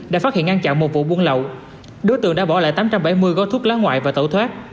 đã phát hiện ngăn chặn một vụ buôn lậu đối tượng đã bỏ lại tám trăm bảy mươi gói thuốc lá ngoại và tẩu thoát